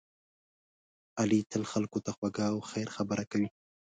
علی تل خلکو ته خوږه او خیر خبره کوي.